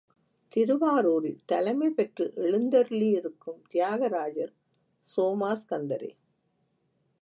திருவாரூரில் தலைமை பெற்று எழுந்தருளியிருக்கும் தியாகராஜர் சோமாஸ்கந்தரே.